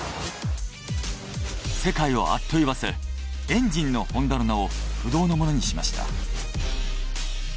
世界をアッと言わせエンジンのホンダの名を不動のものにしました。